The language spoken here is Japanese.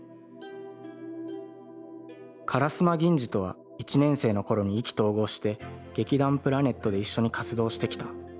「烏丸ギンジとは一年生の頃に意気投合して『劇団プラネット』で一緒に活動してきた。